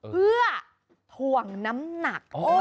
เพื่อถ่วงน้ำหนัก